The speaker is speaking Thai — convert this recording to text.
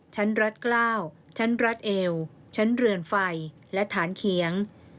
รัดกล้าวชั้นรัฐเอวชั้นเรือนไฟและฐานเขียง